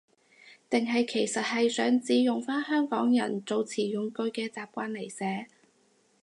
定係其實係指想用返香港人遣詞用字嘅習慣嚟寫？